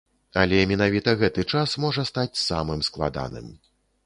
Але менавіта гэты час можа стаць самым складаным.